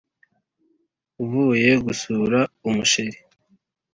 uvuye gusura umusheri”